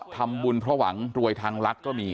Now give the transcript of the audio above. ทำบุญเพราะหวังรวยทางรัฐก็มี